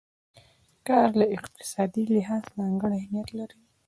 کار له اقتصادي لحاظه ځانګړی اهميت لري.